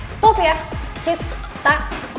stop ya cita